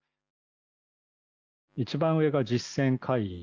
一番上が実践会員。